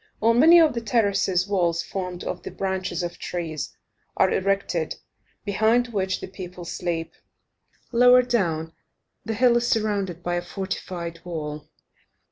On many of the terraces, walls, formed of the branches of trees, are erected, behind which the people sleep. Lower down, the hill is surrounded by a fortified wall.